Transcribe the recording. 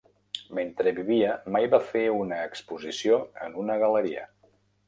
Mentre vivia mai va fer una exposició en una gal.leria.